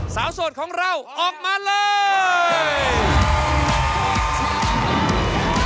โสดของเราออกมาเลย